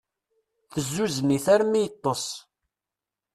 Tezzuzzen-it armi yeṭṭes.